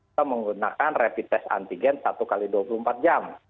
atau menggunakan rapid test antigen satu x dua puluh empat jam